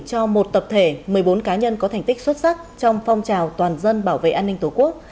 cho một tập thể một mươi bốn cá nhân có thành tích xuất sắc trong phong trào toàn dân bảo vệ an ninh tổ quốc